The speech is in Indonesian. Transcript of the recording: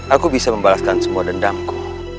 aku bisa membalaskan semua dendamku